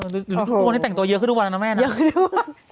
คือว่าที่สรุปนี้ให้แต่งตัวเยอะขึ้นทุกวันนะเนอะแม่นะ